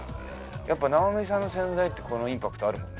やっぱ直美さんの宣材ってインパクトあるもんね。